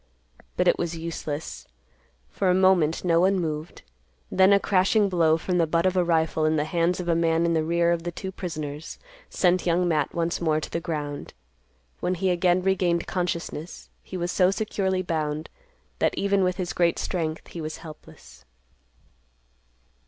But it was useless. For a moment, no one moved. Then a crashing blow, from the butt of a rifle in the hands of a man in the rear of the two prisoners, sent Young Matt once more to the ground. When he again regained consciousness, he was so securely bound, that, even with his great strength, he was helpless.